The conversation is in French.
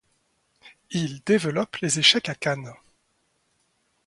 Il développe les échecs à Cannes.